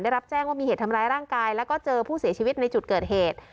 ได้รับแจ้งว่ามีเหตุทำร้ายร่างกายแล้วก็เจอผู้เสียชีวิตในจุดเกิดเหตุ